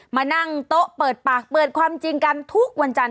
มานั่งโต๊ะเปิดปากเปิดความจริงกันทุกวันจันท